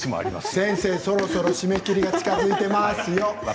先生そろそろ締め切りが近づいていますよ。